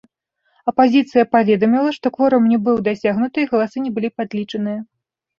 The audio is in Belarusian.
Апазіцыя паведаміла, што кворум не быў дасягнуты і галасы не былі падлічаныя.